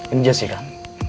ini jessy kan